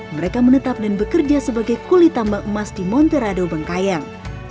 mereka menetap dan bekerja sebagai kulit tambang emas di monterado bengkayang